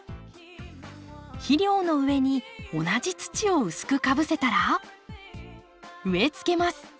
肥料の上に同じ土を薄くかぶせたら植えつけます。